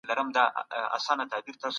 سیاستپوهنه یو مهم ټولنیز علم دی.